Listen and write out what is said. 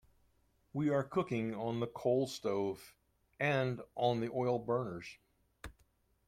We are cooking on the coal stove and on the oil burners.